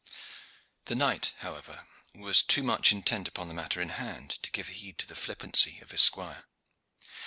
The knight, however, was too much intent upon the matter in hand to give heed to the flippancy of his squire.